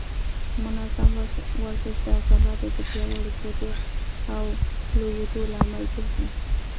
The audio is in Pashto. منظم ورزش د عضلاتو د پیاوړي کېدو او لویېدو لامل ګرځي.